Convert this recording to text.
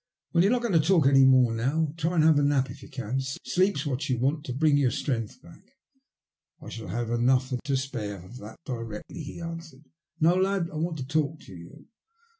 "Well you're not going to talk any more now. Try and have a nap if you can. Sleep's what you want to bring your strength back." " I shall have enough and to spare of that directly," he answered. " No, lad, I want to talk to you.